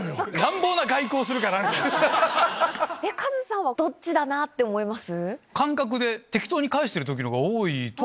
カズさんはどっちだなって思います？